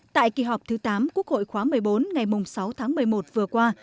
tại kỳ họp thứ tám quốc hội khóa một mươi bốn ngày sáu tháng một mươi một vừa qua